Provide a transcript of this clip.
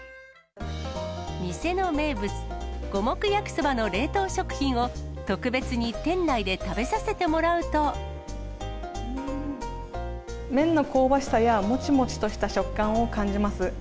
店の名物、五目焼きそばの冷凍食品を、特別に店内で食べさせても麺の香ばしさや、もちもちとした食感を感じます。